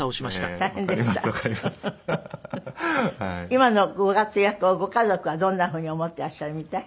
今のご活躍をご家族はどんなふうに思っていらっしゃるみたい？